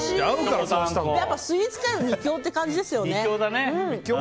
スイーツ界の二強って感じですよね。